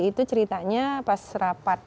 itu ceritanya pas rapat